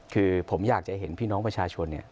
คือผมอยากจะเห็นพี่น้องประชาชน